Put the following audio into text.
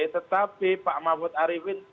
tetapi pak mahfud arifin